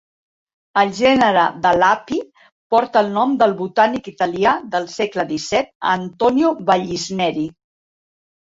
El gènere de l'api porta el nom del botànic italià del segle XVII Antonio Vallisneri.